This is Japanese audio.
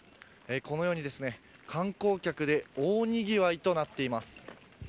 このようにですね観光客で大にぎわいとなっています。